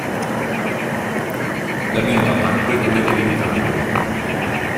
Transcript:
La bimba tacque come per incanto.